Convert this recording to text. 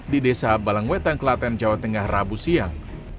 di desa balangwetang kelaten jawa tengah rabu siang